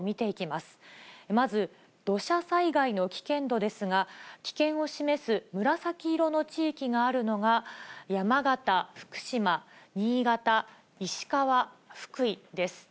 まず、土砂災害の危険度ですが、危険を示す紫色の地域があるのが、山形、福島、新潟、石川、福井です。